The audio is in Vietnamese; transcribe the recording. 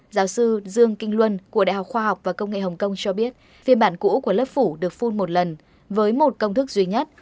giáo sư dương kinh luân của đại học khoa học và công nghệ hồng kông cho biết phiên bản cũ của lớp phủ được phun một lần với một công thức duy nhất